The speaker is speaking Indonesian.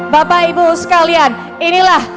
bapak ibu sekalian inilah